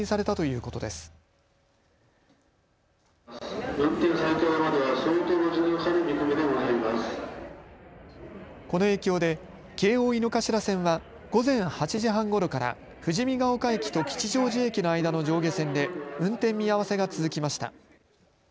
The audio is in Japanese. この影響で京王井の頭線は午前８時半ごろから富士見ヶ丘駅と吉祥寺駅の間の上下線で運転見合わせが続きました。